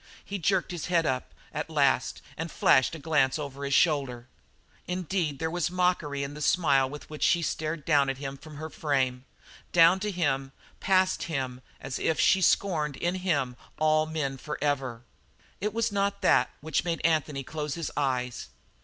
He jerked his head up, at last, and flashed a glance over his shoulder. Indeed there was mockery in the smile with which she stared down to him from her frame, down to him and past him as if she scorned in him all men forever. It was not that which made Anthony close his eyes.